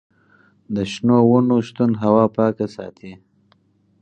د شنو ونو شتون هوا پاکه ساتي.